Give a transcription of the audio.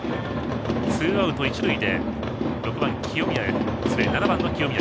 ツーアウト、一塁で７番、清宮。